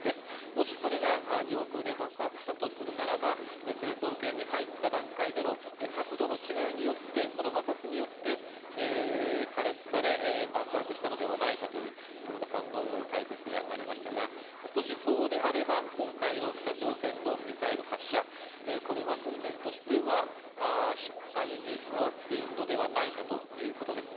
もしこれが上空で爆発したということであれば成層圏に入った段階での角度の違いによってその摩擦によって加熱されて爆発したのではないかという磐村さんの解説がありましたがもしそういうことであればこの北朝鮮のミサイルは訓練としては失敗に終わっているのではないかということです。